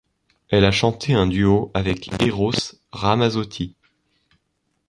Elle a chanté un duo avec Eros Ramazzotti, '.